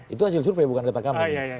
itu hasil survei bukan kata kami